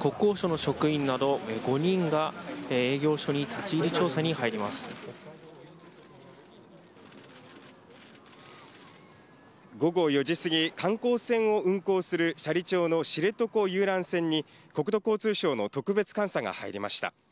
国交省の職員など、５人が営午後４時過ぎ、観光船を運航する斜里町の知床遊覧船に、国土交通省の特別監査が入りました。